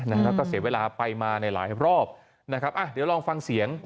แล้วก็เสียเวลาไปมาในหลายรอบนะครับอ่ะเดี๋ยวลองฟังเสียง